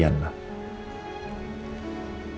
apa yang akan terjadi